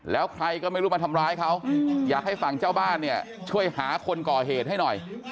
แล้วใครก็ไม่รู้มาทำร้ายเขาอยากให้ฝั่งเจ้าบ้านเนี่ยช่วยหาคนก่อเหตุให้หน่อย